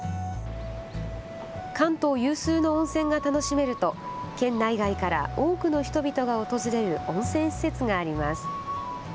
関東有数の温泉が楽しめると県内外から多くの人々が訪れる温泉施設があります。